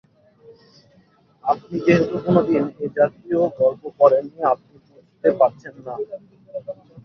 আপনি যেহেতু কোনোদিন এ জাতীয় গল্প পড়েননি আপনি বুঝতে পারছেন না।